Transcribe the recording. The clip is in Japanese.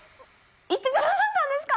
行ってくださったんですか？